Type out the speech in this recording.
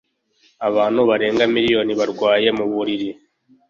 Abantu barenga miliyoni barwaye mu buriri.